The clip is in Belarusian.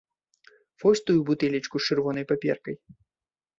Вось тую бутэлечку з чырвонай паперкай!